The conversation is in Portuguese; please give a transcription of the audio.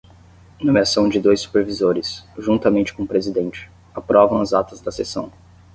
Nomeação de dois supervisores, juntamente com o presidente, aprovam as atas da sessão.